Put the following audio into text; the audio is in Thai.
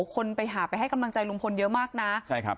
คนไปหาไปให้กำลังใจลุงพลเยอะมากนะใช่ครับ